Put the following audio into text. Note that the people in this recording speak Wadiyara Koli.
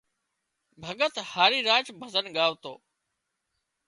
ڀڳت هاري راڇ ڀزن ڳاوتو